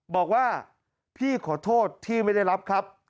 บอกว่าพี่ขอโทษที่ไม่ได้รับครับ